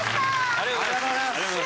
ありがとうございます。